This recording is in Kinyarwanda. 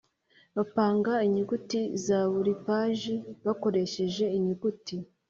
bagapanga inyuguti za buri paji bakoresheje inyuguti